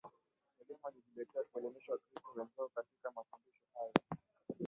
elimu walijitolea kuelimisha Wakristo wenzao Katika mafundisho hayo